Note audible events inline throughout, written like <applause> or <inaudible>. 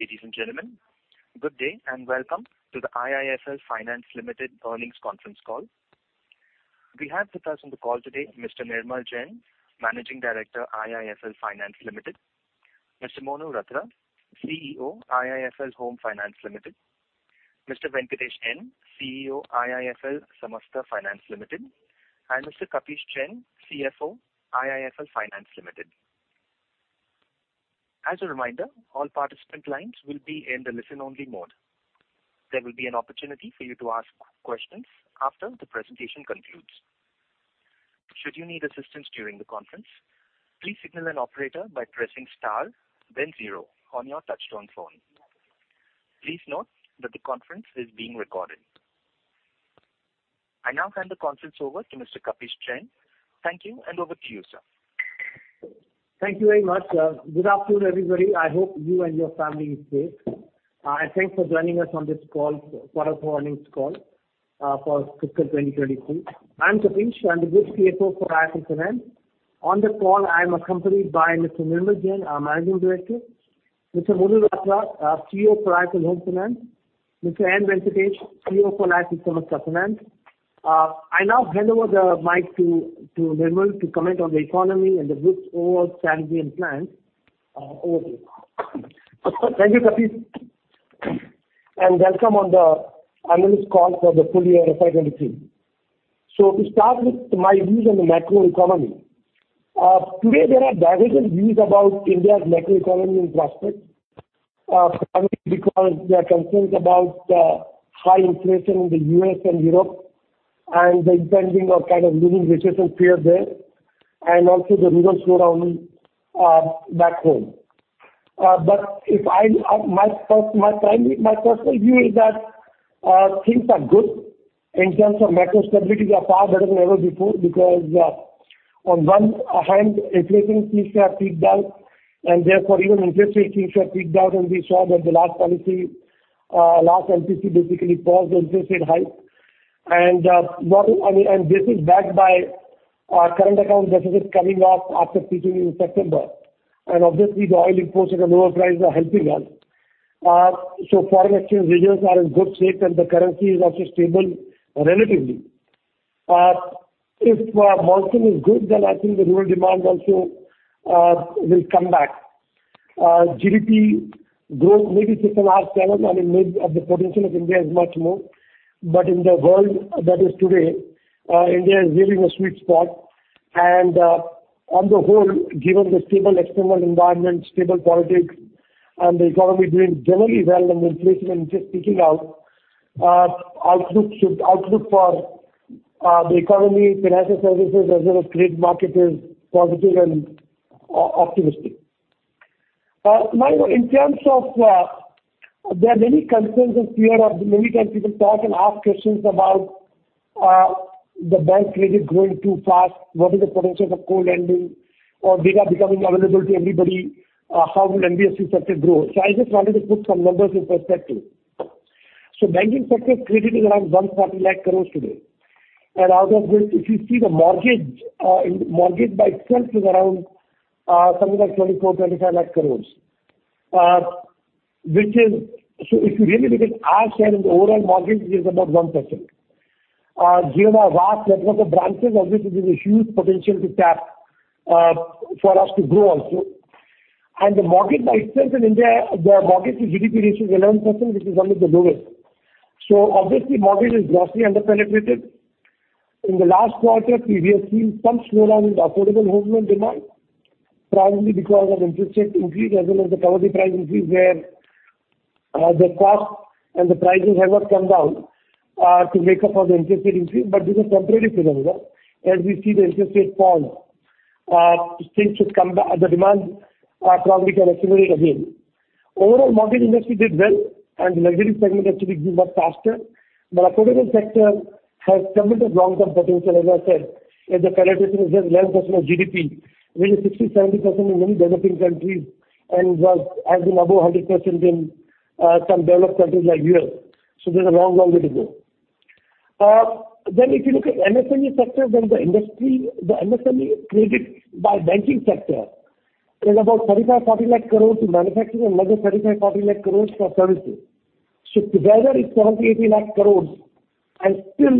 Ladies and gentlemen, good day and welcome to the IIFL Finance Limited earnings conference call. We have with us on the call today Mr. Nirmal Jain, Managing Director, IIFL Finance Limited. Mr. Monu Ratra, CEO, IIFL Home Finance Limited. Mr. Venkatesh N., CEO, IIFL Samasta Finance Limited, and Mr. Kapish Jain, CFO, IIFL Finance Limited. As a reminder, all participant lines will be in the listen-only mode. There will be an opportunity for you to ask questions after the presentation concludes. Should you need assistance during the conference, please signal an operator by pressing star then zero on your touchtone phone. Please note that the conference is being recorded. I now hand the conference over to Mr. Kapish Jain. Thank you, and over to you, sir. Thank you very much. Good afternoon, everybody. I hope you and your family is safe. Thanks for joining us on this call, for our earnings call, for fiscal 2022. I am Kapish. I'm the Group CFO for IIFL Finance. On the call, I am accompanied by Mr. Nirmal Jain, our Managing Director, Mr. Monu Ratra, CEO for IIFL Home Finance, Mr. N. Venkatesh, CEO for IIFL Samasta Finance. I now hand over the mic to Nirmal to comment on the economy and the group's overall strategy and plans. Over to you. Thank you, Kapish, and welcome on the analyst call for the full year of FY 2023. To start with my views on the macroeconomy. Today there are divergent views about India's macroeconomy and prospects, probably because there are concerns about high inflation in the U.S. and Europe and the impending or kind of looming recession fear there, and also the regional slowdown back home. My personal view is that things are good in terms of macro stability. We are far better than ever before because on one hand, inflation seems to have peaked out, and therefore even interest rates seems to have peaked out. We saw that the last policy, last MPC basically paused the interest rate hike. I mean, this is backed by current account deficits coming off after peaking in September. Obviously, the oil imports at a lower price are helping us. Foreign exchange reserves are in good shape, and the currency is also stable, relatively. If monsoon is good, then I think the rural demand also will come back. GDP growth may be six or seven. I mean, the potential of India is much more. But in the world that is today, India is really in a sweet spot. On the whole, given the stable external environment, stable politics and the economy doing generally well and with inflation and interest peaking out, outlook for the economy, financial services as well as credit market is positive and optimistic. In terms of, there are many concerns and fear of many times people talk and ask questions about the bank credit growing too fast. What is the potential of co-lending or bigger becoming available to everybody? How will NBFC sector grow? I just wanted to put some numbers in perspective. Banking sector credit is around 140 lakh crores today. Out of this, if you see the mortgage, in the mortgage by itself is around something like 24 lakh crores-25 lakh crores. If you really look at our share in the overall mortgage is about 1%. Given our vast network of branches, obviously, there's a huge potential to tap for us to grow also. The mortgage by itself in India, the mortgage to GDP ratio is 11%, which is among the lowest. Obviously mortgage is grossly under-penetrated. In the last quarter, we have seen some slowdown in the affordable housing demand, probably because of interest rate increase as well as the property price increase, where the cost and the prices have not come down to make up for the interest rate increase. This is temporary phenomenon. As we see the interest rates fall, things should come back. The demand probably can accelerate again. Overall, mortgage industry did well, and the luxury segment actually grew much faster. The affordable sector has tremendous long-term potential, as I said. If the penetration is just 11% of GDP, range is 60%-70% in many developing countries and was, has been above 100% in some developed countries like U.S. There's a long, long way to go. If you look at MSME sector, where the industry, the MSME credit by banking sector is about 35 lakh crores-40 lakh crores to manufacturing another 35 lakh crores-40 lakh crores for services. Together it's 70 lakh crores-80 lakh crores. Still,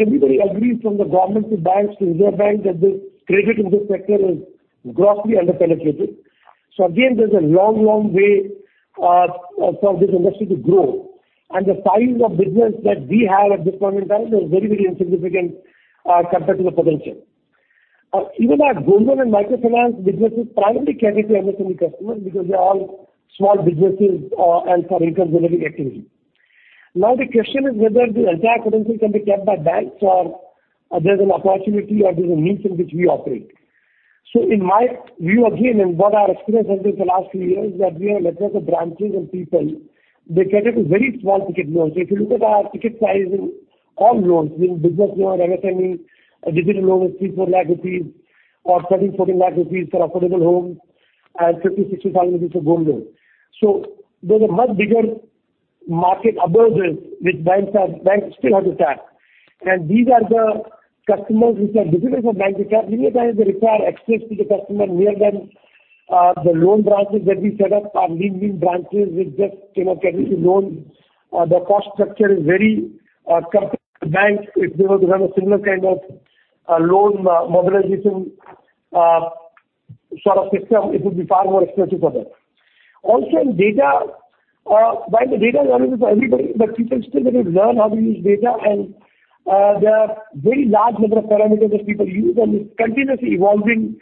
everybody agrees from the government to banks to Reserve Bank that the credit in this sector is grossly under-penetrated. Again, there's a long, long way for this industry to grow. The size of business that we have at this point in time is very, very insignificant compared to the potential. Even our Gold Loan and Microfinance businesses primarily cater to MSME customers because they're all small businesses and for income generating activity. Now, the question is whether the entire potential can be kept by banks or are there's an opportunity or there's a niche in which we operate. In my view, again, and what our experience has been for the last few years, that we have a network of branches and people that cater to very small ticket loans. If you look at our ticket size in all loans, be it business loan, MSME, a digital loan is INR 3 lakh-INR 4 lakh or INR 13 lakh-INR 14 lakh for affordable homes and INR 50,000-INR 60,000 for Gold Loans. There's a much bigger market which banks have, banks still have to tap. These are the customers which are difficult for banks because many times they require access to the customer near them. The loan branches that we set up are lean branches with just, you know, can give you loans. The cost structure is very compared to bank. If they were to have a similar kind of loan modernization sort of system, it would be far more expensive for them. Also in data, while the data is available for everybody, but people still need to learn how to use data and, there are very large number of parameters which people use and it's continuously evolving,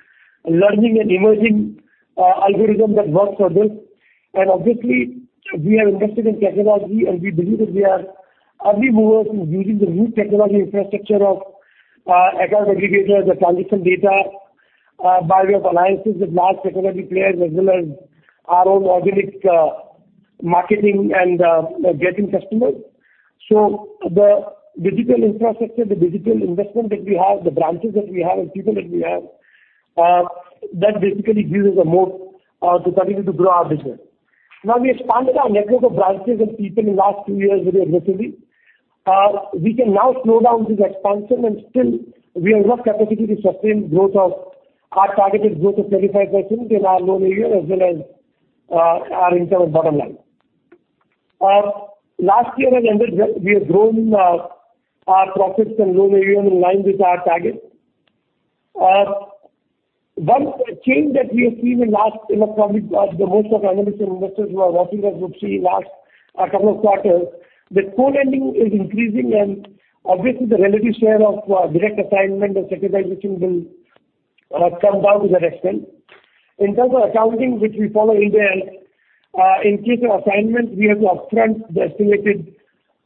learning and emerging algorithm that works for this. And obviously, we have invested in technology, and we believe that we are early movers in using the root technology infrastructure of Account Aggregators that transition data by way of alliances with large technology players as well as our own organic marketing and getting customers. The digital infrastructure, the digital investment that we have, the branches that we have and people that we have, that basically gives us a moat to continue to grow our business. We expanded our network of branches and people in last two years very aggressively. We can now slow down this expansion and still we have enough capacity to sustain growth of our targeted growth of 35% in our loan area as well as, our in terms of bottom line. Last year as under this we have grown our profits and loan area in line with our target. One change that we have seen in last, you know, probably, the most of analysts and investors who are watching us would see in last couple of quarters that co-lending is increasing and obviously the relative share of direct assignment or securitization will come down to that extent. In terms of accounting, which we follow in there, in case of assignment, we have to upfront the estimated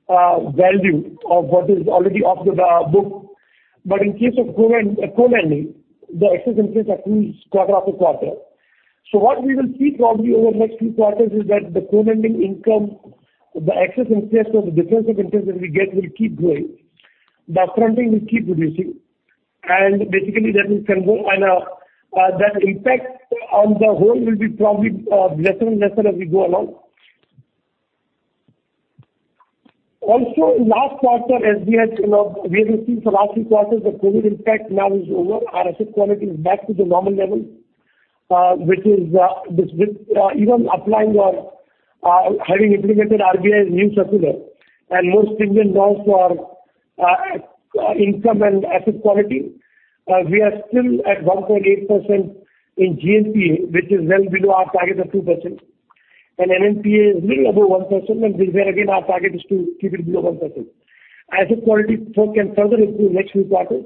value of what is already off the book. In case of co-lending, the excess interest accrues quarter after quarter. What we will see probably over the next few quarters is that the co-lending income, the excess interest or the difference of interest that we get will keep growing. The upfronting will keep reducing and basically that will convert and that impact on the whole will be probably lesser and lesser as we go along. In last quarter as we had, you know, we have been seeing for last three quarters, the COVID impact now is over. Our asset quality is back to the normal level, which is this with even applying our having implemented RBI's new circular and more stringent norms for income and asset quality. We are still at 1.8% in GNPA, which is well below our target of 2% and NNPA is little above 1% and there again our target is to keep it below 1%. Asset quality further can further improve next few quarters.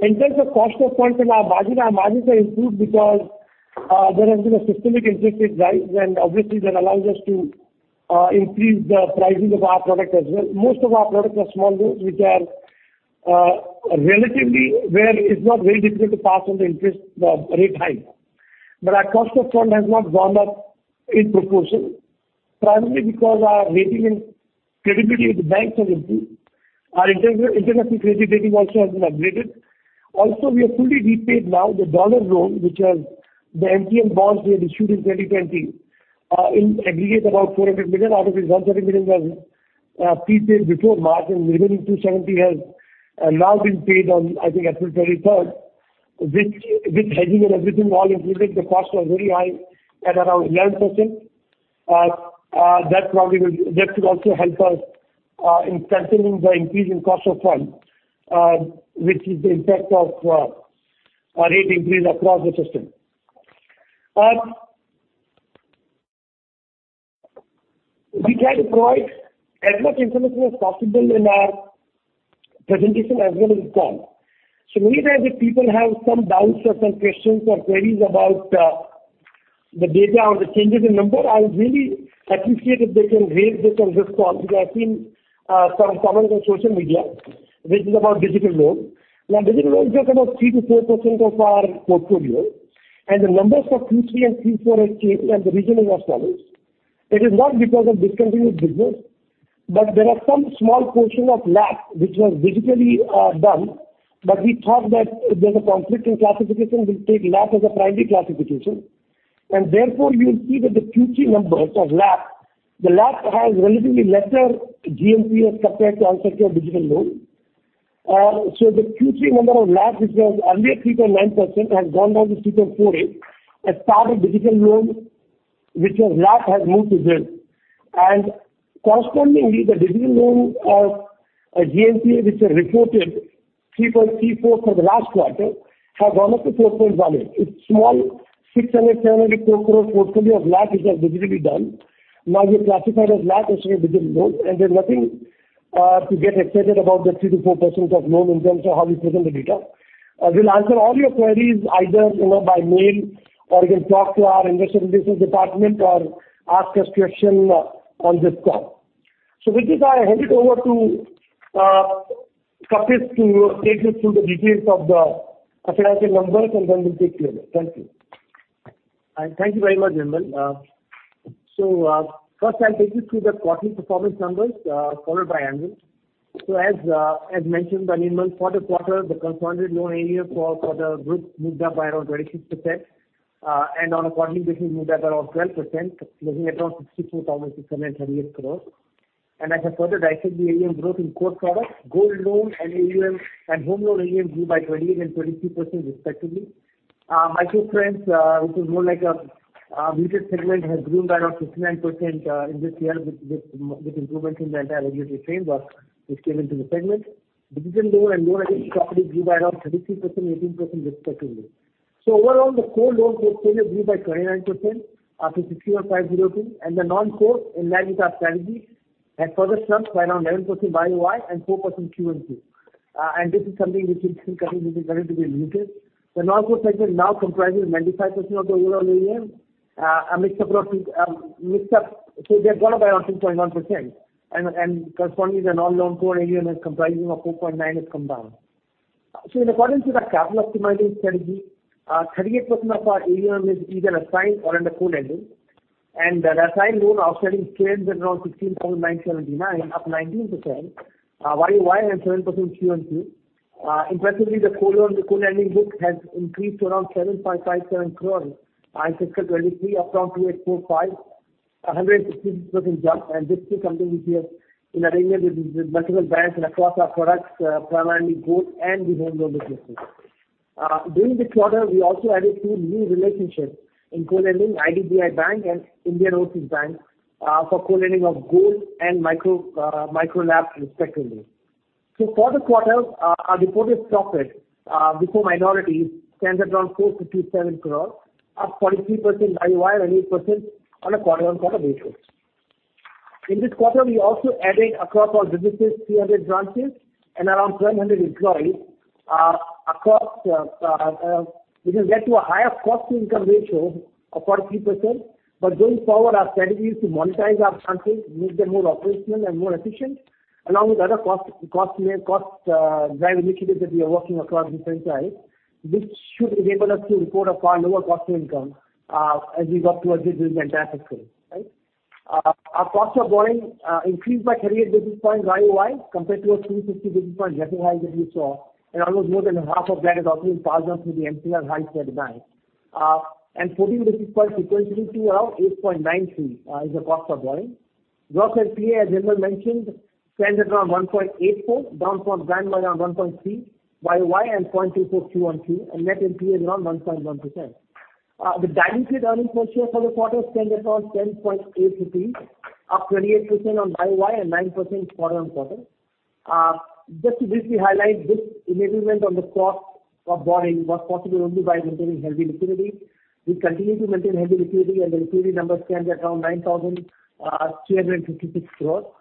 In terms of cost of funds and our margin, our margins have improved because there has been a systemic interest rate rise and obviously that allows us to increase the pricing of our product as well. Most of our products are small loans which are relatively where it's not very difficult to pass on the interest rate hike. Our cost of fund has not gone up in proportion, primarily because our rating and credibility with the banks have improved. Our international credit rating also has been upgraded. We have fully repaid now the dollar loan which has the MGM bonds we had issued in 2020, in aggregate about $400 million out of which $170 million was prepaid before March and remaining $270 million has now been paid on, I think April 23rd, which hedging and everything all included the cost was very high at around 11%. That should also help us in containing the increase in cost of funds, which is the impact of a rate increase across the system. We tried to provide as much information as possible in our presentation as well as in calls. Many times if people have some doubts or some questions or queries about the data on the changes in number, I would really appreciate if they can raise this on this call because I've seen some comments on social media which is about digital loan. Digital loan is just about 3%-4% of our portfolio and the numbers for Q3 and Q4 has changed and the reason is as follows. It is not because of discontinued business, there are some small portion of LAP which was digitally done. We thought that if there's a conflict in classification, we'll take LAP as a primary classification. Therefore you'll see that the Q3 numbers of LAP, the LAP has relatively lesser GNPA as compared to unsecured digital loan. The Q3 number of LAP which was earlier 3.9% has gone down to 3.48% as part of digital loan which was LAP has moved to this. Correspondingly, the digital loan GNPA which are reported 3.34% for the last quarter has gone up to 4.18%. It's small INR 600 crore-INR 700 crore portfolio of LAP which was digitally done. Now we have classified as LAP as well as digital loan, and there's nothing to get excited about the 3%-4% of loan in terms of how we present the data. We'll answer all your queries either, you know, by mail or you can talk to our investor relations department or ask us question on this call. With this, I hand it over to Kapish to take you through the details of the financial numbers and then we'll take Q&A. Thank you. Thank you very much, Nirmal. First I'll take you through the quarterly performance numbers, followed by annual. As mentioned by Nirmal, for the quarter the consolidated loan area for the group moved up by around 26%. On a quarterly basis, we moved up around 12%, closing at around 64,638 crore. As I further dissect the AUM growth in core products, Gold Loan and AUM and Home Loan AUM grew by 28% and 22% respectively. Microfinance, which is more like a weighted segment, has grown by around 59% in this year with improvements in the entire regulatory framework which came into the segment. Digital loan and loan against property grew by around 33% and 18% respectively. Overall, the core loan book value grew by 29% after 61,502, and the non-core, in line with our strategy, has further shrunk by around 11% YOY and 4% QOQ. This is something which we think is going to be reduced. The non-core segment now comprises 95% of the overall AUM, a mix up. They have gone up by around 2.1% and correspondingly the non-loan core AUM is comprising of 4.9% has come down. In accordance with our capital optimizing strategy, 38% of our AUM is either assigned or under co-lending. The assigned loan outstanding stands at around 16,979, up 19% YOY and 7% QOQ. Impressively, the co-lending book has increased to around 7.57 crores in fiscal 2023 up from 2,845, a 160% jump. This is something which we have in arrangement with multiple banks and across our products, primarily gold and the Home Loan businesses. During this quarter, we also added two new relationships in co-lending, IDBI Bank and Indian Overseas Bank, for co-lending of gold and micro LAP respectively. For the quarter, our reported profit before minorities stands at around 457 crore, up 43% YOY and 8% on a quarter-on-quarter basis. In this quarter, we also added across our businesses 300 branches and around 1,200 employees, across which has led to a higher cost-to-income ratio of 43%. Going forward, our strategy is to monetize our branches, make them more operational and more efficient, along with other cost drive initiatives that we are working across the franchise, which should enable us to report a far lower cost-to-income, as we got towards the business entire fiscal, right. Our cost of borrowing increased by 38 basis points YOY compared to a 350 basis point decline that we saw and almost more than half of that is often passed on through the MCLR hike by the bank. And 14 basis points sequentially to around 8.93 is the cost of borrowing. Gross NPA, as Nirmal mentioned, stands at around 1.84, down from nine by around 1.3 YOY and 0.24 QOQ and net NPA is around 1.1%. The diluted earnings per share for the quarter stands at around 10.8 rupees, up 28% on YOY and 9% quarter-on-quarter. Just to briefly highlight this enablement on the cost of borrowing was possible only by maintaining healthy liquidity. We continue to maintain healthy liquidity and the liquidity numbers stands at around 9,356 crore.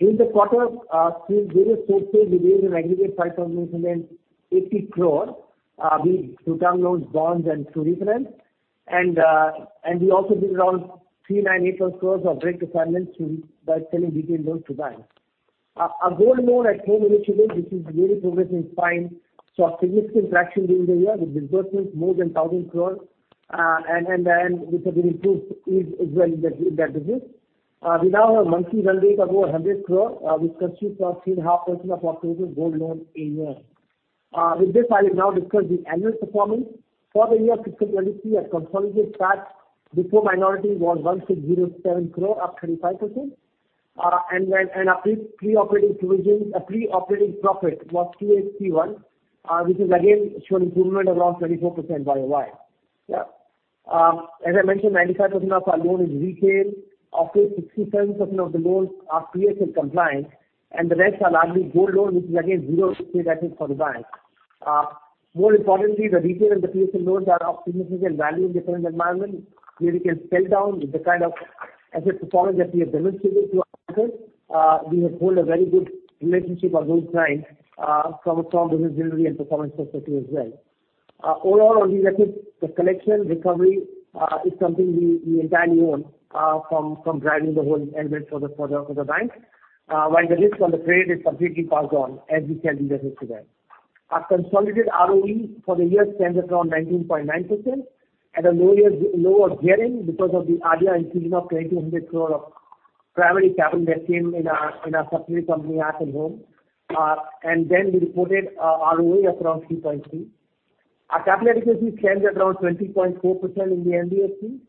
In the quarter, through various sources, we raised an aggregate 5,880 crore, be it through term loans, bonds and through refinance. We also did around 39,800 crore of debt refinance by selling retail loans to banks. Our Gold Loan at Home initiative, which is really progressing fine, saw significant traction during the year with disbursements more than 1,000 crore. And with the improved ease as well in that business. We now have a monthly run rate of over 100 crore, which constitutes around 3.5% of our total Gold Loan AUM. With this, I will now discuss the annual performance. or the year fiscal 2023, our consolidated PAT before minority was 1,607 crore, up 35%. Our pre-operating profit was 2,831, which has again shown improvement around 24% YOY. Yeah. As I mentioned, 95% of our loan is retail. Of this, 67% of the loans are PSL compliant and the rest are largely Gold Loan, which is again zero risk weight asset for the bank. More importantly, the retail and the PSL loans are of significant value in different environment where we can sell down with the kind of asset performance that we have demonstrated to our partners. We have built a very good relationship on those clients, from a strong business delivery and performance perspective as well. Overall on the electric, the collection recovery is something we entirely own from driving the whole element for the for the for the bank, while the risk on the trade is completely passed on as we sell the business to banks. Our consolidated ROE for the year stands at around 19.9% and a lower gearing because of the earlier infusion of 2,000 crore of primary capital that came in our in our subsidiary company, IIFL Home Finance. And then we reported ROE of around 3.3%. Our capital adequacy stands at around 20.4% in the NBFC,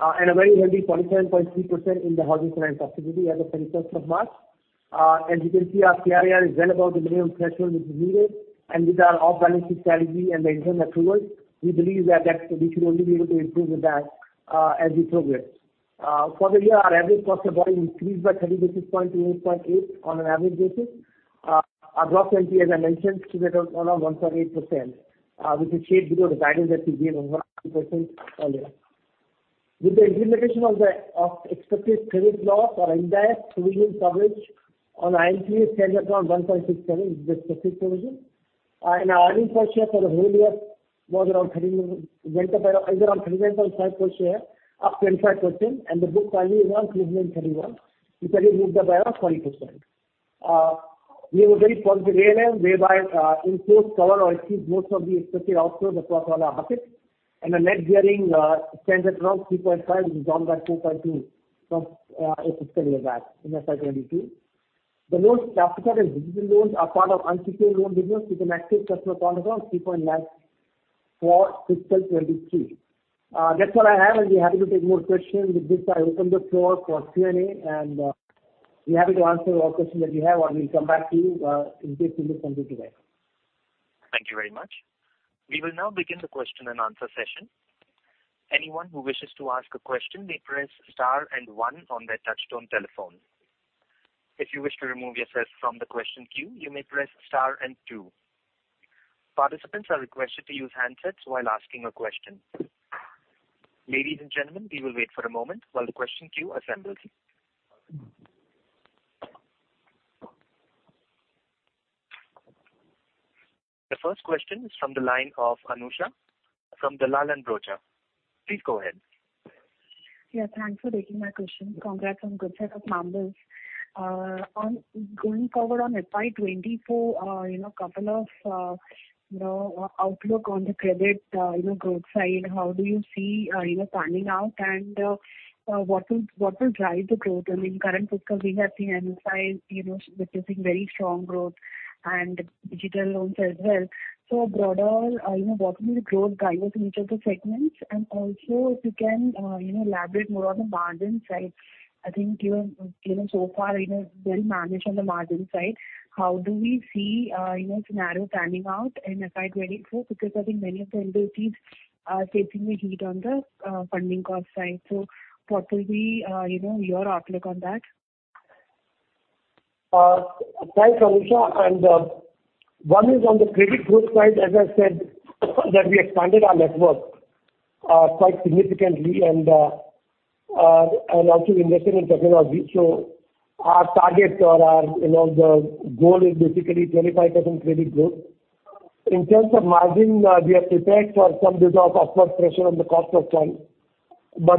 and a very healthy 47.3% in the housing finance facility as of 31st of March. And you can see our CRAR is well above the minimum threshold which is needed. With our off-balance sheet strategy and the internal accruals, we believe that we should only be able to improve with that as we progress. For the year, our average cost of borrowing increased by 30 basis points to 8.8 on an average basis. Our GNPA, as I mentioned, stood at around 1.8%, which is shade below the guidance that we gave of 1% earlier. With the implementation of the expected credit loss or indirect provision coverage on INTA stands at around 1.67 with specific provision. Our earnings per share for the whole year was around 31, went up by around INR 31.5 per share, up 25% and the book value is around INR 331, which again moved up by around 20%. We have a very positive ALM whereby, in course cover or achieve most of the expected outflows across all our assets and the net gearing, stands at around 3.5 which is down by 4.2 from a fiscal year back in FY 2022. The loans classified as digital loans are part of unsecured loan business with an active customer count around 3.94 fiscal 2023. That's all I have and be happy to take more questions. With this, I open the floor for Q&A, and be happy to answer what questions that you have or we'll come back to you, in case we miss something today. Thank you very much. We will now begin the question and answer session. Anyone who wishes to ask a question may press star and one on their touch-tone telephone. If you wish to remove yourself from the question queue, you may press star and two. Participants are requested to use handsets while asking a question. Ladies and gentlemen, we will wait for a moment while the question queue assembles. The first question is from the line of Anusha from Dalal & Broacha. Please go ahead. Yeah, thanks for taking my question. Congrats on good set of numbers. On going forward on FY 2024, you know, couple of, you know, outlook on the credit, you know, growth side, how do you see, you know, panning out and what will drive the growth? I mean, current fiscal we have seen MFI, you know, witnessing very strong growth and digital loans as well. Broader, you know, what will be the growth drivers in each of the segments? Also if you can, you know, elaborate more on the margin side. I think, you know, so far, you know, well managed on the margin side. How do we see, you know, scenario panning out in FY 2024? Because I think many of the NBFCs are facing the heat on the funding cost side. What will be, you know, your outlook on that? Thanks Anusha. One is on the credit growth side, as I said, that we expanded our network, quite significantly and also invested in technology. Our target or our, you know, the goal is basically 25% credit growth. In terms of margin, we are prepared for some result upward pressure on the cost of funds.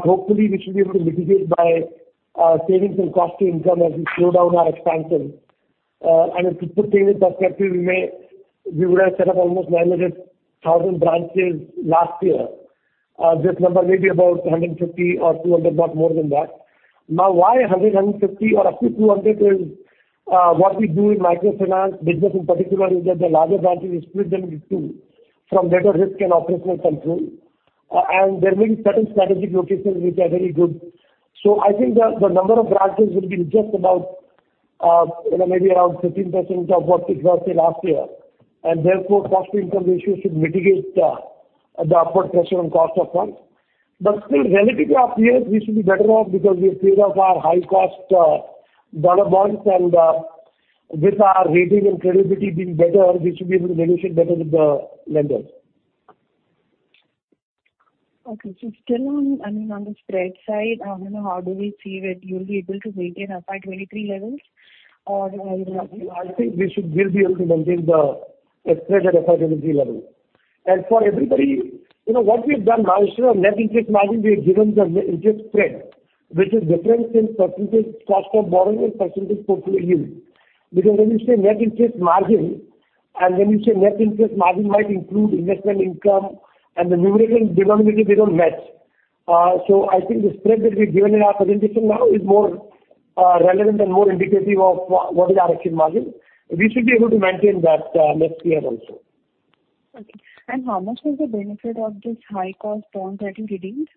Hopefully we should be able to mitigate by, savings in cost to income as we slow down our expansion. To put things in perspective, we would have set up almost 900,000 branches last year. This number may be about 150 or 200, not more than that. Now why 100, 150 or up to 200 is what we do in Microfinance business in particular is that the larger branches, we split them into two from better risk and operational control. There may be certain strategic locations which are very good. I think the number of branches will be just about, you know, maybe around 15% of what it was say last year. Therefore, cost to income ratio should mitigate the upward pressure on cost of funds. Still relatively last year, we should be better off because we have paid off our high cost dollar bonds and with our rating and credibility being better, we should be able to negotiate better with the lenders. Okay. Still on, I mean, on the spread side, I mean, how do we see that you'll be able to maintain FY 2023 levels or, you know? I think we should, we'll be able to maintain the spread at FY 2023 level. For everybody, you know, what we've done now instead of net interest margin, we've given the net interest spread, which is difference in percentage cost of borrowing and percentage portfolio yield. When you say net interest margin might include investment income and the numerical denominator they don't match. I think the spread that we've given in our presentation now is more relevant and more indicative of what is our actual margin. We should be able to maintain that next year also. Okay. How much was the benefit of this high cost bond that you redeemed?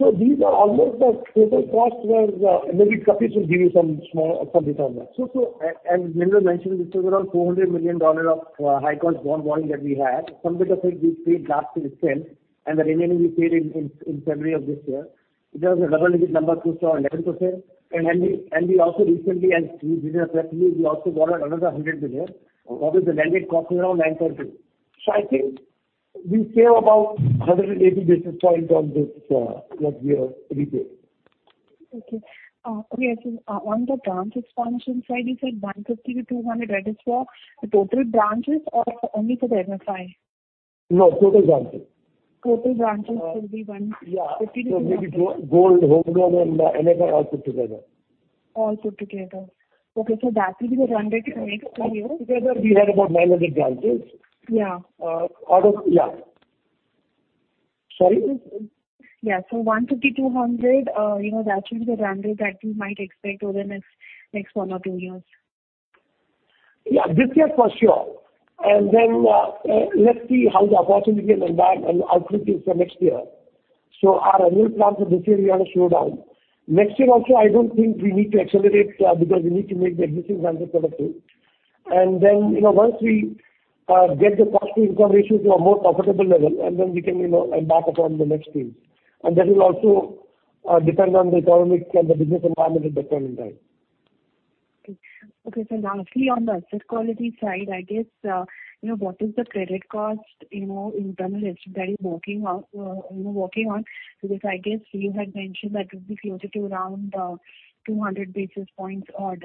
These are almost the total costs where maybe Kapish should give you some small, some detail on that. As Nirmal mentioned, this was around $400 million of high cost bond borrowing that we had. Some bit of it we paid last December, and the remaining we paid in February of this year. It has a relevant number close to 11%. Then we also recently as we discussed with you, we also borrowed another $100 million, what with the landed cost around 9.2%. I think we save about 180 basis points on this what we have repaid. Okay. On the branch expansion side, you said 150-200. That is for the total branches or only for the MFI? No, total branches. Total branches will be- Yeah. 150 to 200. Maybe Gold, Home Loan and MF all put together. All put together. Okay. that will be the runway for next two years. Together we have about 900 branches. Yeah. Yeah. Sorry? Yeah. 150, 200, you know, that should be the runway that we might expect over the next one or two years. Yeah. This year for sure. Let's see how the opportunity and outlook is for next year. Our annual plans for this year we want to slow down. Next year also, I don't think we need to accelerate because we need to make the existing branches productive. You know, once we get the cost to income ratio to a more comfortable level and then we can, you know, embark upon the next phase. That will also depend on the economic and the business environment at that point in time. Okay, lastly, on the asset quality side, I guess, you know, what is the credit cost, you know, internal risk that you're working on? I guess you had mentioned that it would be closer to around 200 basis points or,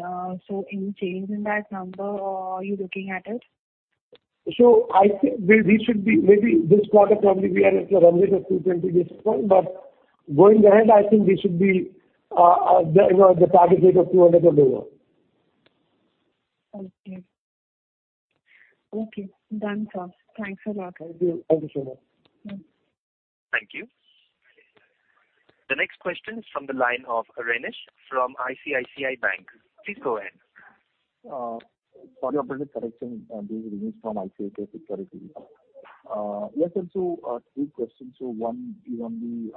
any change in that number are you looking at it? We should be maybe this quarter probably we are at around maybe 220 basis point. Going ahead I think we should be, you know, the target rate of 200 or lower. Okay. Okay. Done, sir. Thanks a lot. Thank you so much. Mm-hmm. Thank you. The next question is from the line of Renish from ICICI Bank. Please go ahead. Sorry about the correction. This is Renish from ICICI Securities. Yes, sir. Two questions. One is on the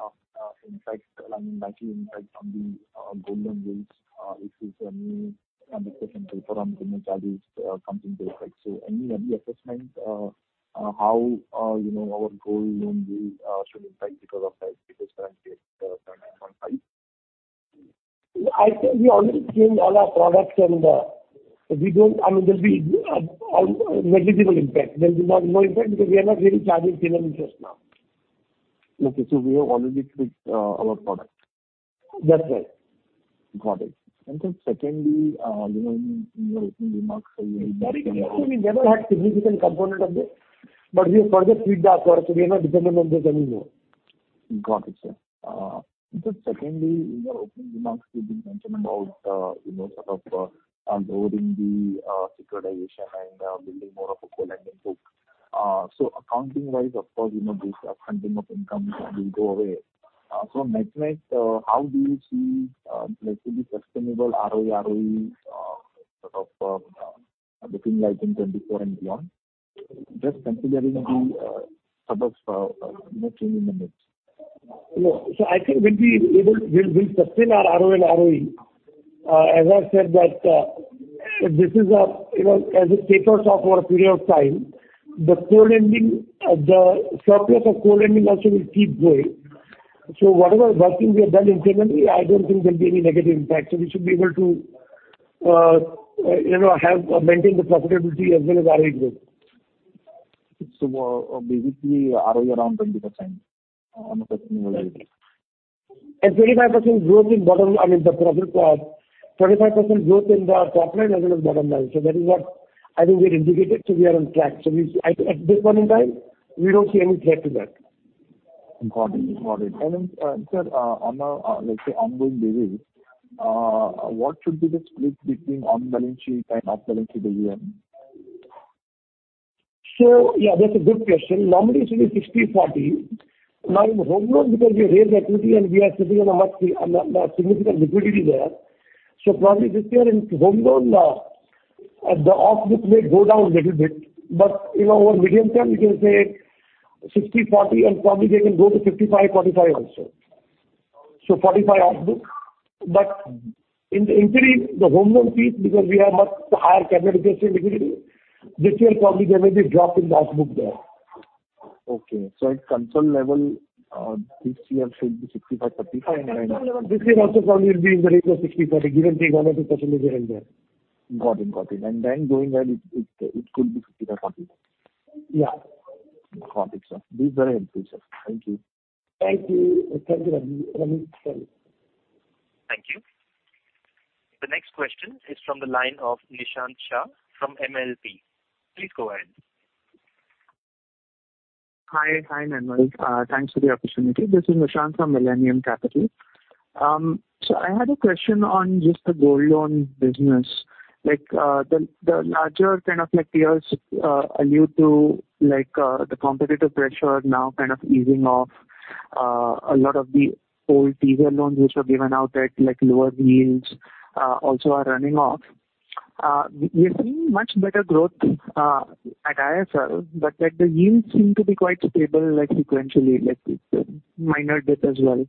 impact, I mean, likely impact on the Gold Loan rates. If there's any anticipation from government that is something to effect. Any assessment on how, you know, our Gold Loan rates should impact because of that, because currently it's 9.5%? I think we already changed all our products and, I mean, there'll be negligible impact. There'll be no impact because we are not really charging similar interest now. Okay. We have already tweaked our product. That's right. Got it. Secondly, you know, in your opening remarks. Sorry. Actually, we never had significant component of this. We have further tweaked the product so we are not dependent on this anymore. Got it, sir. Just secondly, in your opening remarks you did mention about, you know, sort of, unloading the securitization and building more of a co-lending book. Accounting-wise, of course, you know, this up-fronting of income will go away. Net-net, how do you see, let's say, the sustainable ROE, sort of, looking like in 2024 and beyond? Just considering the sort of, maturing limits. Yeah. I think we'll sustain our ROA and ROE. As I said that, this is a, you know, as it tapers off over a period of time, the co-lending, the surplus of co-lending also will keep growing. Whatever working we have done internally, I don't think there'll be any negative impact. We should be able to, you know, have or maintain the profitability as well as ROE growth. Basically ROE around 20% on a sustainable basis. 35% growth in bottom, I mean, the profit, 25% growth in the top line as well as bottom line. That is what I think we had indicated. We at this point in time, we don't see any threat to that. Got it. Got it. Sir, on a, let's say, ongoing basis, what should be the split between on-balance sheet and off-balance sheet as a whole? Yeah, that's a good question. Normally it should be 60/40. Now in Home Loans because we have raised equity and we are sitting on a much, on a significant liquidity there. Probably this year in Home Loan, the off-book may go down little bit, but, you know, over medium term you can say 60/40 and probably they can go to 55/45 also. 45 off-book. In the increase, the Home Loan piece because we have much higher capitalization liquidity, this year probably there may be a drop in the off-book there. Okay. At console level, this year should be 65/35. This year also probably it will be in the range of 60/40 given the economic situation is there. Got it. Got it. Then going ahead, it could be 55/45. Yeah. Got it, sir. This is very helpful, sir. Thank you. Thank you. Thank you, Renish. Thank you. The next question is from the line of Nishant Shah from MLP. Please go ahead. Hi. Hi, Nirmal. Thanks for the opportunity. This is Nishant from Millennium Capital. I had a question on just Gold Loan business. like, the larger kind of like peers allude to like the competitive pressure now kind of easing off, a lot of the old teaser loans which were given out at like lower yields also are running off. We are seeing much better growth at ISL, but like the yields seem to be quite stable, like sequentially, like with the minor dip as well.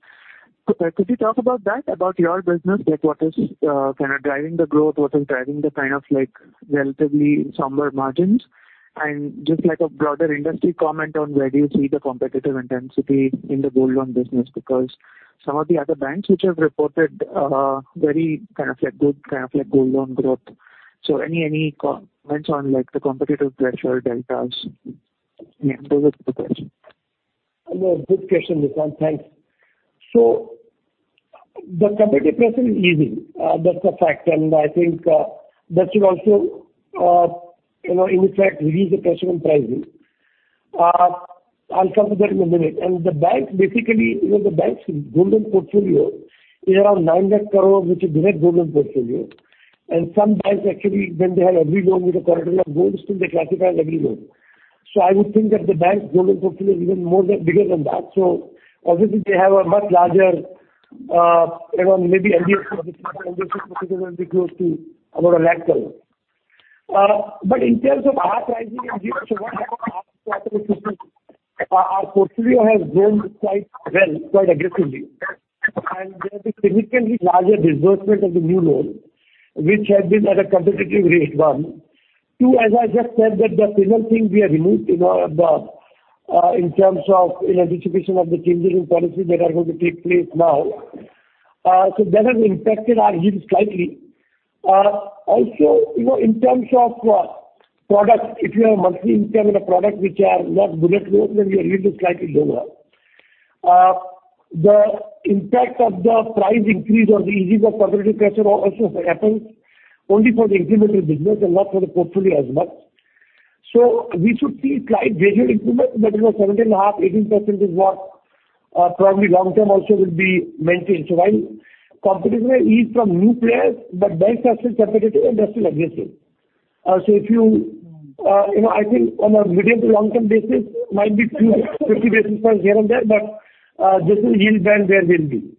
Could you talk about that, about your business, like what is kind of driving the growth? What is driving the kind of like relatively somber margins? Just like a broader industry comment on where do you see the competitive intensity in the Gold Loan business? Some of the other banks which have reported, very kind of like good, kind of like Gold Loan growth. Any comments on like the competitive pressure deltas? Yeah. Those are two questions. Good question, Nishant. Thanks. The competitive pressure is easing. That's a fact. I think, you know, that should also, in effect, relieve the pressure on pricing. I'll come to that in a minute. The banks basically, you know, the banks' Gold Loan portfolio is around 9 lakh crore, which is direct Gold Loan portfolio. Some banks actually when they have every loan with a collateral of gold, still they classify as every loan. I would think that the banks' Gold Loan portfolio is even more than, bigger than that. Obviously they have a much larger, you know, maybe NBFCs. The total NBFCs portfolio will be close to about INR 1 lakh crore. In terms of our pricing and yields, what happened to our portfolio? Our portfolio has grown quite well, quite aggressively. There has been significantly larger disbursement of the new loans, which has been at a competitive rate, one. Two, as I just said that the signal thing we have removed, you know, in terms of, you know, anticipation of the changing policy that are going to take place now. That has impacted our yield slightly. Also, you know, in terms of products, if you have mostly in-term in a product which are not bullet loans, then your yield is slightly lower. The impact of the price increase or the easing of competitive pressure also happens only for the incremental business and not for the portfolio as much. We should see slight gradual improvement but you know 17.5%-18% is what probably long term also will be maintained. While competition may ease from new players, but banks are still competitive and they're still aggressive. If you know, I think on a medium to long term basis might be 250 basis points here and there, but this is yield band where we'll be.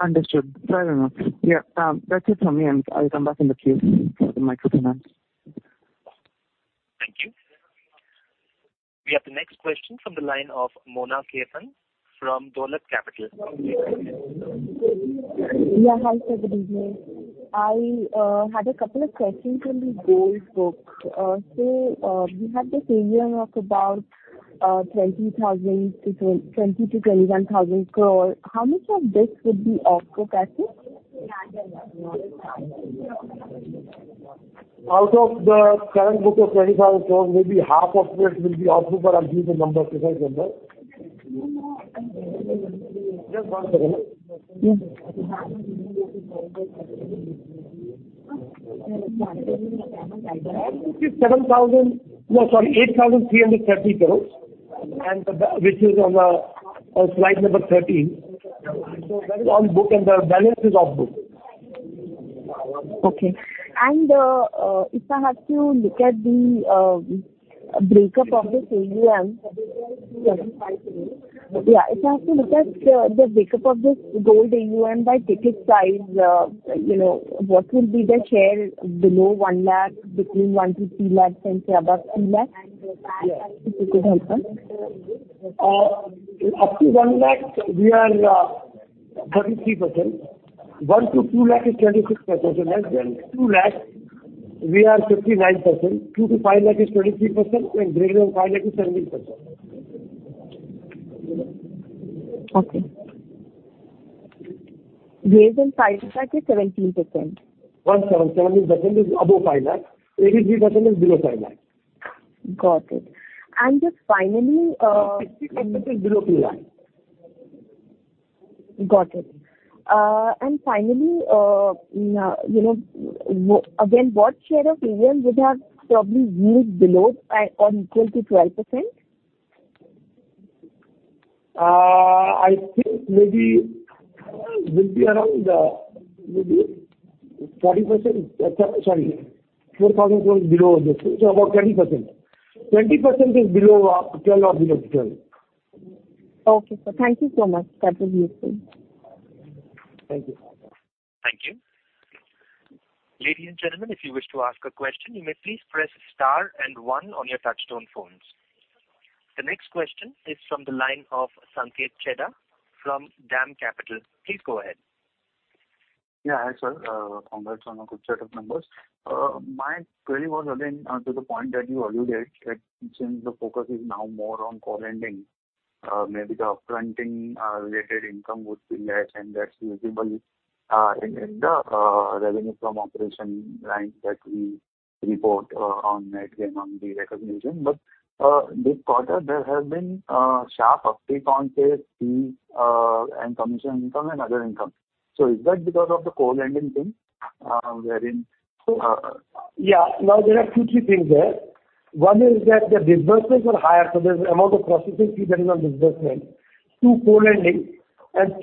Understood. Fair enough. Yeah. That's it from me. I'll come back in the queue for Microfinance. Thank you. We have the next question from the line of Mona Khetan from Dolat Capital. Yeah. Hi, sir. Good evening. I had a couple of questions on the gold book. We had this AUM of about 20,000 crore-21,000 crore. How much of this would be off the books? <audio distortion> Out of the current book of 20,000 crores, maybe half of it will be off book but I'll give you the numbers as I said that. Just one second. Yeah. It is 8,330 crores and the which is on slide number 13. That is on book and the balance is off book. Okay. If I have to look at the break up of this AUM. If I have to look at the break up of this gold AUM by ticket size, you know, what will be the share below 1 lakh, between 1-2 lakhs and say above 2 lakhs? Yeah. If you could help us. Up to 1 lakh we are 33%. 1-2 lakh is 26%. 2 lakh we are 59%. 2-5 lakh is 23% and greater than 5 lakh is 17%. Okay. Greater than INR 5 lakh is 17%. One-seven, 17% is above INR 5 lakh. 83% is below INR 5 lakh. Got it. just finally, 60% is below INR 2 lakh. Got it. Finally, you know, again, what share of AUM would have probably yield below or equal to 12%? I think maybe will be around, maybe 40%. 4,000 crores below it so about 20%. 20% is below, 12 or below 12. Okay, sir. Thank you so much. That was useful. Thank you. Thank you. Ladies and gentlemen, if you wish to ask a question you may please press star and one on your touchtone phones. The next question is from the line of Sanket Chheda from DAM Capital. Please go ahead. Yeah. Hi, sir. Congrats on a good set of numbers. My query was again to the point that you alluded that since the focus is now more on co-lending, maybe the upfronting related income would be less and that's visible in the revenue from operation line that we report on net gain on the recognition. This quarter there has been a sharp uptick on say fees and commission income and other income. Is that because of the co-lending thing wherein? There are two, three things there. One is that the disbursements were higher, so there's amount of processing fee that is on disbursement. Two, co-lending.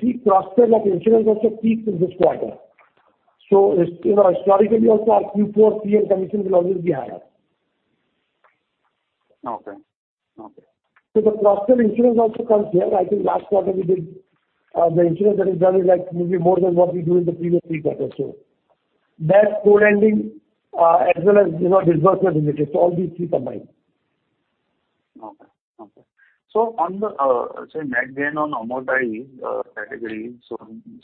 Three, cluster like insurance also peaked in this quarter. It's, you know, historically also our Q4 fee and commission will always be higher. Okay. Okay. The credit insurance also comes here. I think last quarter we did, the insurance that is done is like maybe more than what we do in the previous three quarters. That's co-lending, as well as, you know, disbursements in the case, all these three combined. Okay. On the say net gain on amortized category,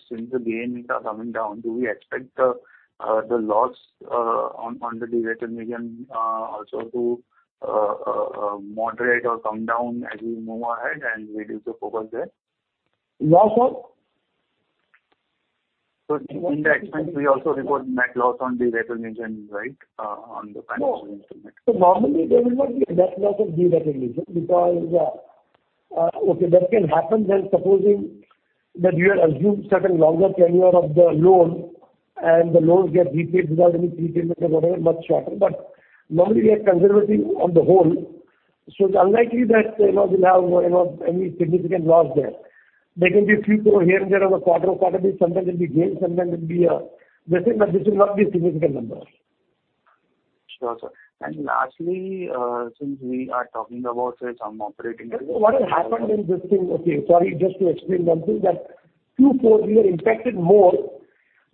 since the GNPAs are coming down, do we expect the loss on the de-recognition also to moderate or come down as we move ahead and reduce the focus there? Loss of? In the expense we also report net loss on de-recognition, right? On the financial instrument. Normally there will not be a net loss of de-recognition because, okay, that can happen when supposing that you have assumed certain longer tenure of the loan and the loans get repaid without any prepayment or whatever, much shorter. Normally we are conservative on the whole, so it's unlikely that, you know, we'll have, you know, any significant loss there. There can be a few here and there on a quarter-to-quarter basis. Sometimes it'll be gain, sometimes it'll be, this thing, but this will not be a significant number. Sure, sir. Lastly, since we are talking about, say some. What has happened in this thing, okay. Sorry, just to explain one thing that Q4 we were impacted more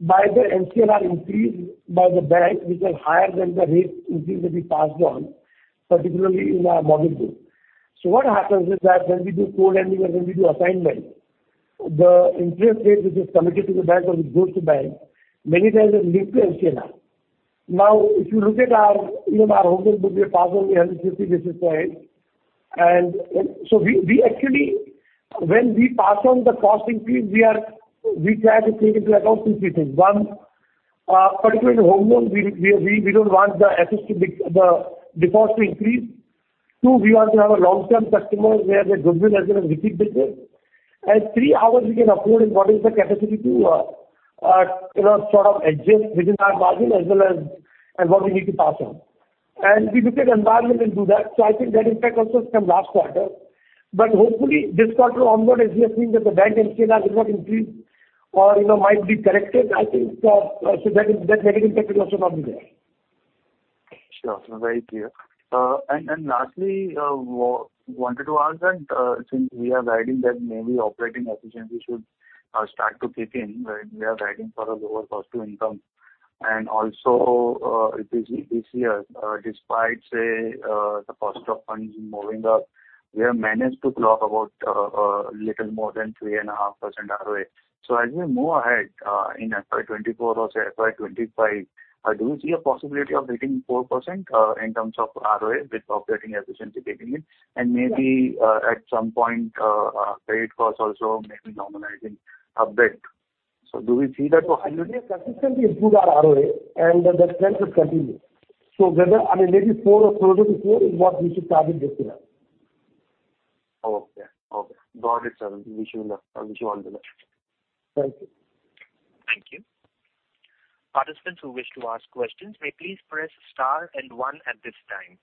by the NCR increase by the bank which was higher than the rate increase that we passed on, particularly in our Home Loan book. What happens is that when we do co-lending or when we do assignment, the interest rate which is committed to the bank or which goes to bank many times is linked to NCR. If you look at our, even our Home Loan book, we have passed on around 50 basis points and so we actually when we pass on the cost increase we are, we try to take into account two, three things. One, particularly the Home Loan we don't want the assets to be, the cost to increase. Two, we also have long-term customers where the goodwill as well as repeat business. Three, how we can afford and what is the capacity to, you know, sort of adjust within our margin as well as and what we need to pass on. We look at environment and do that. I think that impact also has come last quarter. Hopefully this quarter onward as we have seen that the bank MCLR has not increased or, you know, might be corrected, I think, so that negative impact will also not be there. Sure. Very clear. Lastly, wanted to ask that since we are guiding that maybe operating efficiency should start to kick in when we are guiding for a lower cost to income. Also, this year, despite, say, the cost of funds moving up, we have managed to clock about little more than 3.5% ROA. So as we move ahead, in FY 2024 or say FY 2025, do you see a possibility of hitting 4% in terms of ROA with operating efficiency kicking in? Maybe at some point, rate costs also maybe normalizing a bit. So do we see that for- We have consistently improved our ROA and the trend will continue. Whether, I mean maybe four or closer to four is what we should target this year. Okay. Okay. Got it, sir. Wish you luck. I wish you all the best. Thank you. Thank you. Participants who wish to ask questions may please press star and one at this time.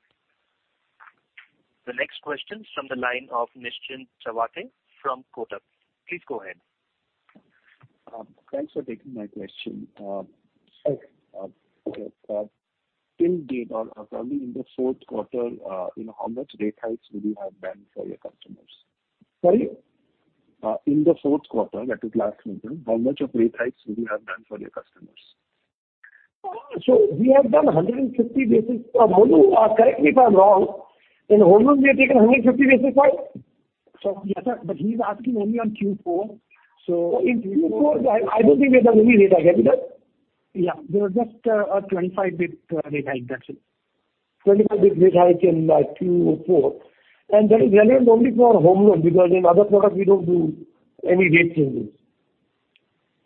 The next question is from the line of Nischint Chawathe from Kotak. Please go ahead. Thanks for taking my question. Sure. Till date or probably in the fourth quarter, you know, how much rate hikes would you have done for your customers? Sorry. In the fourth quarter, that is last quarter, how much of rate hikes would you have done for your customers? We have done 150 basis. Home Loan, correct me if I'm wrong. Home Loan we have taken 150 basis points. Yes, sir, but he's asking only on Q4. In Q4 I don't think we have done any rate hike. Have we done? Yeah. There was just a 25 basis points rate hike, that's it. 25 bps rate hike in Q4. That is relevant only for our Home Loan because in other products we don't do any rate changes.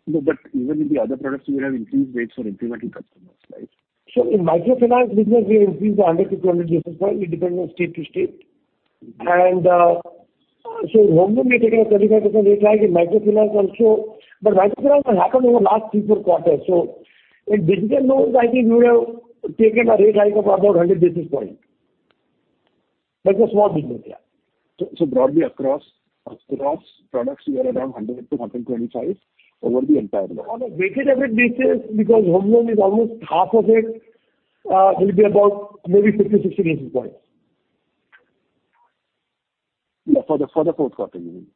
No, even in the other products you would have increased rates for incremental customers, right? In Microfinance business we increased 100 to 200 basis point. It depends on state to state. In Home Loan we have taken a 25% rate hike. In Microfinance also. Microfinance has happened over last three, four quarters. In digital loans, I think we would have taken a rate hike of about 100 basis point. That's a small business. Yeah. Broadly across products you are around 100-125 over the entire loan. On a weighted average basis because Home Loan is almost half of it, will be about maybe 50, 60 basis points. Yeah, for the fourth quarter you mean?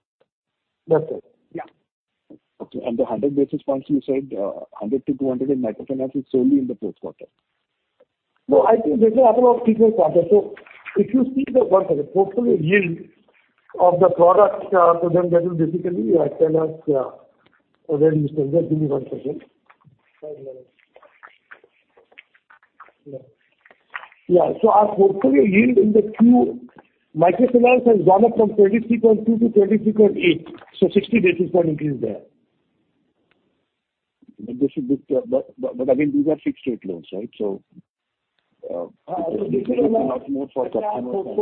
That's it. Yeah. Okay. The 100 basis points you said, 100-200 in Microfinance is only in the fourth quarter. No, I think this has happened over three, four quarters. If you see the, one second, portfolio yield of the product, Sudhir, that will basically tell us. You can just give me one second. Right. Got it. Yeah. Yeah. Our portfolio yield in the Q, Microfinance has gone up from 23.2% to 23.8%. 60 basis point increase there. This will be but I mean, these are fixed rate loans, right? So, Uh, it will be a lot more for customers and-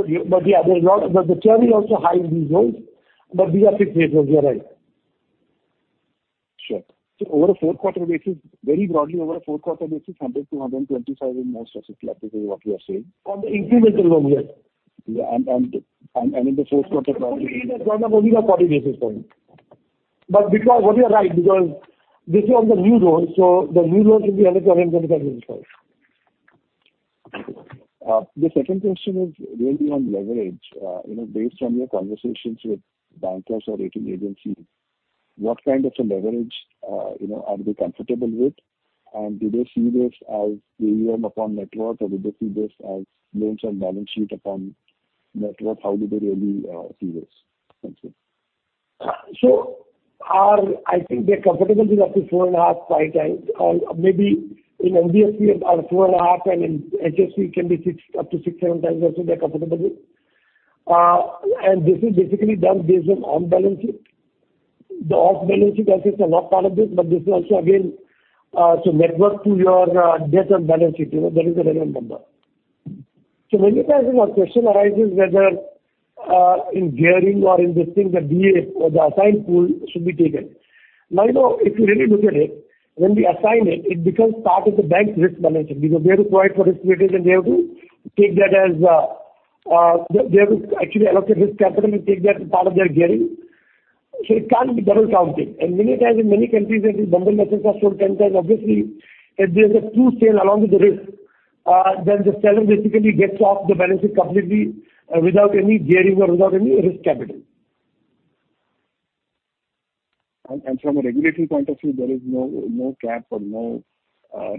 Yeah, there is lot. The cherry also high in these loans, but these are fixed rate loans. You're right. Sure. Over a fourth quarter basis, very broadly, 100-125 in gross profit is basically what you are saying. On the incremental loan, yes. Yeah. In the fourth quarter broadly. Only 40 basis point. You are right because this is on the new loans, so the new loans will be eligible in 25 basis point. The second question is really on leverage. You know, based on your conversations with bankers or rating agencies, what kind of a leverage, you know, are they comfortable with? Do they see this as AUM upon net worth or do they see this as loans and balance sheet upon net worth? How do they really see this? Thank you. I think they're comfortable till up to 4.5 times or maybe in NBFC about 4.5 and in HFC can be six, up to six, seven times also they're comfortable with. And this is basically done based on on balance sheet. The off balance sheet assets are not part of this. This is also again, so net worth to your debt and balance sheet, you know, that is the relevant number. Many times this question arises whether in gearing or in this thing the BA or the assigned pool should be taken. You know, if you really look at it, when we assign it becomes part of the bank's risk management because they have to provide for risk weightage and they have to take that as they have to actually allocate risk capital and take that as a part of their gearing. It can't be double counting. Many a times in many countries where these bundle assets are sold 10 times, obviously if there's a true sale along with the risk, then the seller basically gets off the balance sheet completely without any gearing or without any risk capital. From a regulatory point of view, there is no cap or no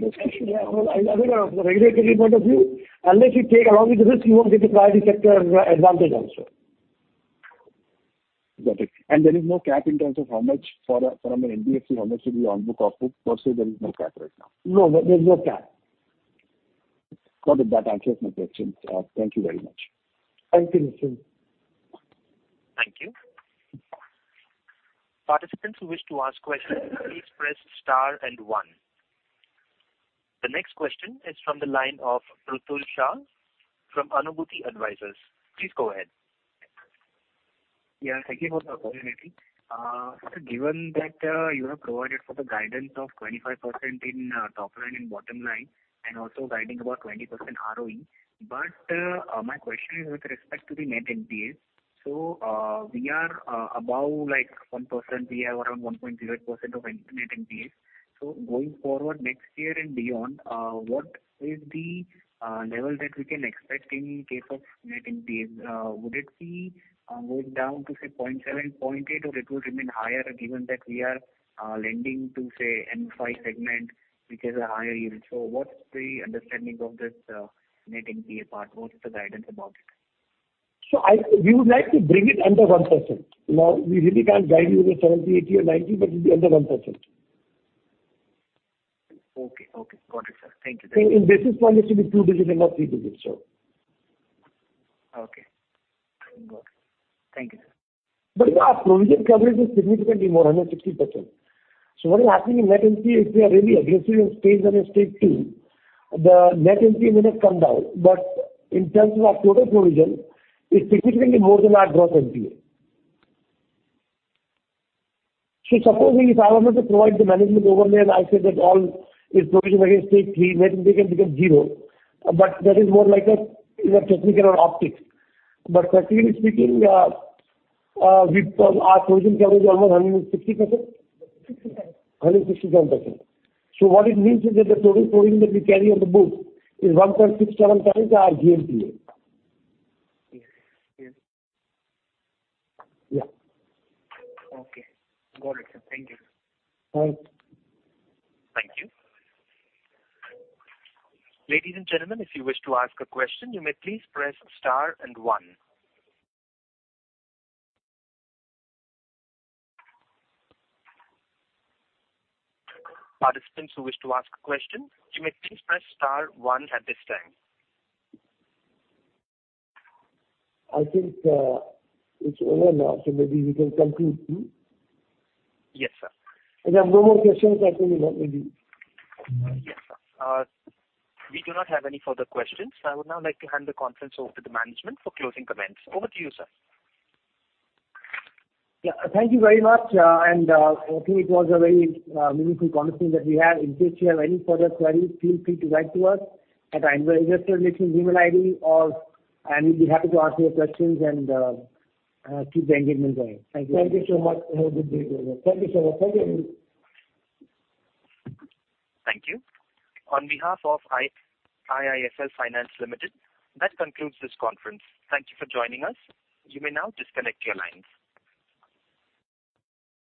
restriction. I think from the regulatory point of view, unless you take along with the risk, you won't get the priority sector advantage also. Got it. There is no cap in terms of how much for a, from an NBFC, how much should be on book, off book? Per se, there is no cap right now. No. There, there's no cap. Got it. That answers my questions. Thank you very much. Thank you, Nischint. Participants who wish to ask questions, please press star and one. The next question is from the line of Pruthul Shah from Anubhuti Advisors. Please go ahead. Yeah. Thank you for the opportunity. Given that you have provided for the guidance of 25% in top line and bottom line, and also guiding about 20% ROE. My question is with respect to the net NPA. We are above like 1%, we have around 1.08% of net NPAs. Going forward next year and beyond, what is the level that we can expect in case of net NPAs? Would it be going down to say 0.7%, 0.8%, or it would remain higher given that we are lending to say NFI segment, which has a higher yield. What's the understanding of this net NPA part? What is the guidance about it? We would like to bring it under 1%. We really can't guide you to 70%, 80% or 90%, but it'll be under 1%. Okay. Okay. Got it, sir. Thank you. In basis point it will be two digits and not three digits. Okay. Got it. Thank you, sir. Our provision coverage is significantly more, 160%. What is happening in net NPA is we are really aggressive in stage one and stage two. The net NPA may not come down, but in terms of our total provision, it's significantly more than our GNPA. Suppose if I wanted to provide the management overlay and I say that all is provision against stage three, NNPA can become zero. That is more like a, you know, technical optics. Practically speaking, Our provision coverage is almost 160%. 67. 167%. What it means is that the total provision that we carry on the books is 1.6 times our GNPA. Yes. Yes. Yeah. Okay. Got it, sir. Thank you. Thanks. Thank you. Ladies and gentlemen, if you wish to ask a question, you may please press star and one. Participants who wish to ask a question, you may please press star one at this time. I think, it's over now, so maybe we can conclude. Yes, sir. If there are no more questions, I think we might maybe... Yes, sir. We do not have any further questions. I would now like to hand the conference over to the management for closing comments. Over to you, sir. Yeah. Thank you very much. I think it was a very meaningful conversation that we had. In case you have any further queries, feel free to write to us at our investor relations email ID or... and we'd be happy to answer your questions and keep the engagement going. Thank you. Thank you so much. Have a good day. Thank you so much. Thank you. Thank you. On behalf of IIFL Finance Limited, that concludes this conference. Thank you for joining us. You may now disconnect your lines.